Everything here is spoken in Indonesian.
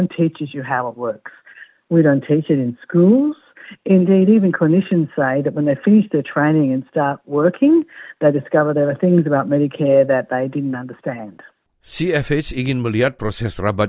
cfh ingin melihat proses rabat